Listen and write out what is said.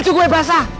baju gue basah